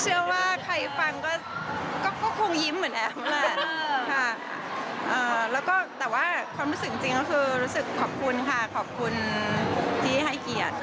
เชื่อว่าใครฟังก็คงยิ้มเหมือนแอมแหละค่ะแล้วก็แต่ว่าความรู้สึกจริงก็คือรู้สึกขอบคุณค่ะขอบคุณที่ให้เกียรติ